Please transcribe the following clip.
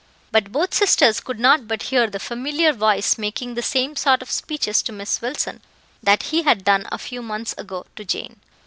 But both sisters could not but hear the familiar voice making the same sort of speeches to Miss Wilson that he had done a few months ago to Jane.